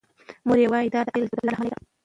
مور یې وايي دا د هغې او پلار له امله دی.